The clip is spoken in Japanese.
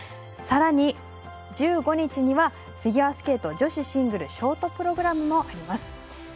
さらに１５日にはフィギュアスケート女子シングルショートプログラムもあります。